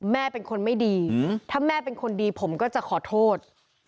แม่เป็นคนไม่ดีถ้าแม่เป็นคนดีผมก็จะขอโทษ